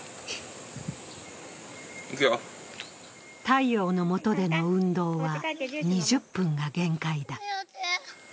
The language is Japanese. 太陽のもとでの運動は２０分が限界だ。